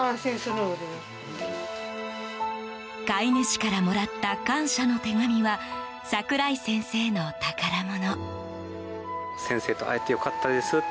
飼い主からもらった感謝の手紙は、櫻井先生の宝物。